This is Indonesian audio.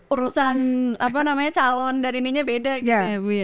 urusan calon dan ininya beda gitu ya bu ya